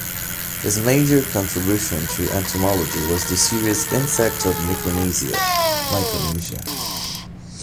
His major contribution to entomology was the series "Insects of Micronesia".